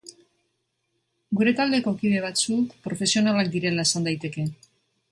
Gure taldeko kide batzuk profesionalak direla esan daiteke.